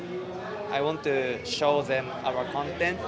saya ingin menunjukkan mereka konten kami